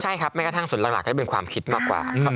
ใช่ครับแม้กระทั่งส่วนหลักก็จะเป็นความคิดมากกว่าครับ